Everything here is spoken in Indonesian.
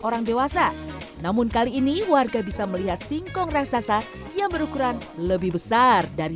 orang dewasa namun kali ini warga bisa melihat singkong raksasa yang berukuran lebih besar dari